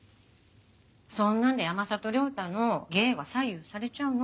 そんなんで山里亮太の芸は左右されちゃうの？